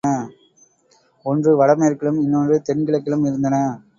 ஒன்று வடமேற்கிலும், இன்னொன்று தென்கிழக்கிலும் இருந்தன.